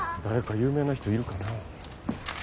誰か有名な人いるかなあ？